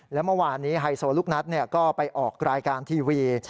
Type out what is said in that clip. และเมื่อวานนี้ไฮโซลูกนัทก็ไปออกรายการทีวี